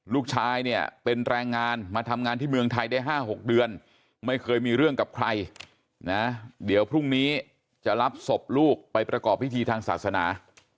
ลูกชายเนี่ยเป็นแรงงานมาทำงานที่เมืองไทยได้๕๖เดือนไม่เคยมีเรื่องกับใครนะเดี๋ยวพรุ่งนี้จะรับศพลูกไปประกอบพิธีทางศาสนา